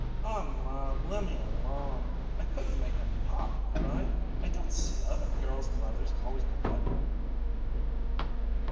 "Aw, maw, lemme alone. I couldn't make him pop, could I? I don't see other girls' mothers always buttin' in."